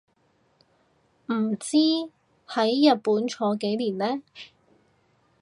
唔知喺日本坐幾年呢